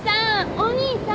お兄さん！